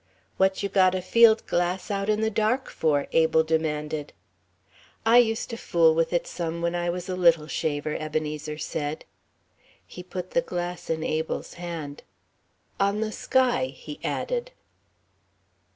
"What you got a field glass out in the dark for?" Abel demanded. "I used to fool with it some when I was a little shaver," Ebenezer said. He put the glass in Abel's hand. "On the sky," he added.